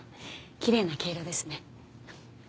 きれいな毛色ですね。